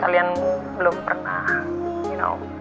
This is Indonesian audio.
kalian belum pernah you know